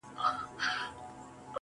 هغه له منځه ولاړ سي~